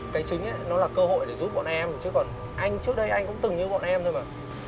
cái chính nó là cơ hội để giúp bọn em chứ còn anh trước đây anh cũng từng như bọn em thôi mà